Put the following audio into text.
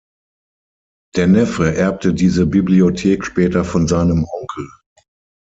Der Neffe erbte diese Bibliothek später von seinem Onkel.